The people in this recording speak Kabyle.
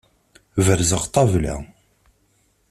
Berzeɣ ṭṭabla.